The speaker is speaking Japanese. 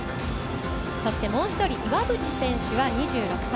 そしてもう１人、岩渕選手は２６歳。